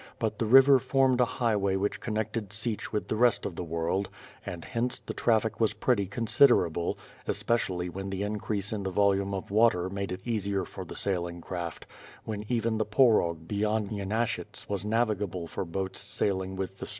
But the river formed a highway which connected Sich with the rest of the world; and hence, the traffic was pretty consider able, especially when the increase in the volume of water made it easier for the sailing craft; when even the Porog be yond Nyenashyts was navigable for boats sailing with the stream.